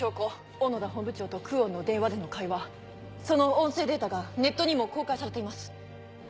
小野田本部長と久遠の電話での会話その音声データがネットにも公開されています。